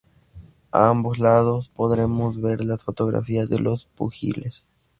A ambos lados podremos ver las fotografías de los púgiles.